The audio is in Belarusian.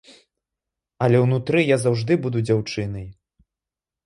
Але ўнутры я заўжды буду дзяўчынай.